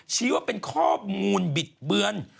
ชี้ว่าเป็นข้อมูลบิดเบือน